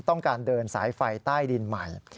ต้องการเดินสายไฟใต้ดินใหม่